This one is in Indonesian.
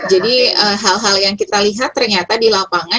hal hal yang kita lihat ternyata di lapangan